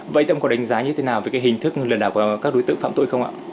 vậy tâm có đánh giá như thế nào về cái hình thức lừa đảo của các đối tượng phạm tội không ạ